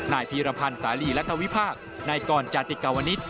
นายพีรพันธ์สาลีรัตนวิภาคนายกรจาติกาวณิชย์